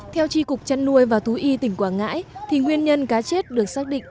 theo tri cục chăn nuôi và thú y tỉnh quảng ngãi thì nguyên nhân cá chết được xác định